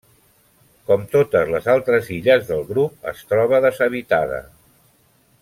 Com totes les altres illes del grup es troba deshabitada.